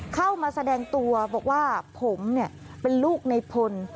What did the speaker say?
เข้ามาแสดงตัวบอกว่าผมเป็นลูกในพล